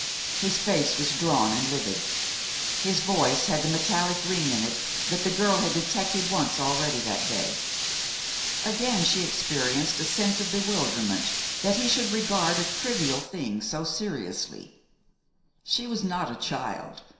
His face was drawn and livid. His voice had the metallic ring in it that the girl had detected once already that day. Again she experienced a sense of bewilderment that he should regard a trivial thing so seriously. She was not a child.